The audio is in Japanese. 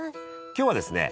今日はですね